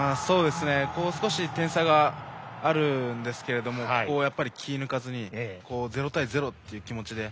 少し点差があるんですけどここはやっぱり気を抜かずに０対０という気持ちで。